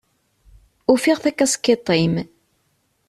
Ufiɣ takaskiṭ-im.